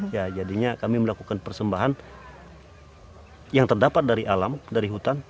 ya jadinya kami melakukan persembahan yang terdapat dari alam dari hutan